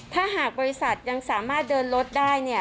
ถ้าหากบริษัทยังสามารถเดินรถได้เนี่ย